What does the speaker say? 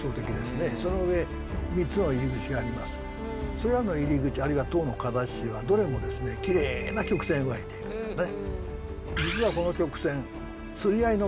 それらの入り口あるいは塔の形はどれもですねきれいな曲線を描いているんだね。